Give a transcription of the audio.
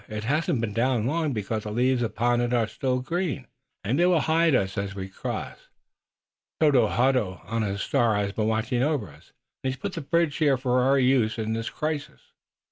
It hasn't been down long, because the leaves upon it are yet green." "And they will hide us as we cross. Tododaho on his star has been watching over us, and has put the bridge here for our use in this crisis."